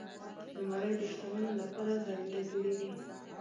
الماري د شتمنو لپاره زرینده جوړیږي